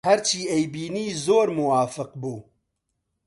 هەرچی ئەیبینی زۆر موافق بوو